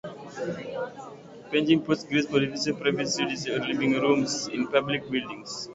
Penjing pots grace pavilions, private studies or living rooms, and public buildings.